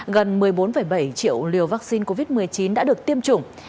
gần một mươi bốn bảy triệu liều vaccine covid một mươi chín đã được tiêm chủng